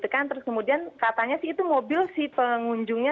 kemudian katanya sih itu mobil si pengunjungnya